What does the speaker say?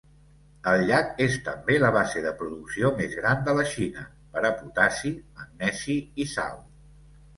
El llac és també la base de producció més gran de la Xina per a potassi, magnesi i sal.